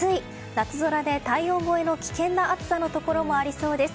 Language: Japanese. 夏空で体温超えの危険な暑さのところもありそうです。